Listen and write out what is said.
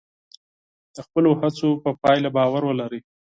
د خپلو هڅو په پایله باور ولرئ.